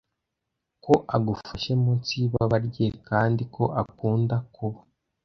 ko agufashe munsi yibaba rye kandi ko ukunda kuba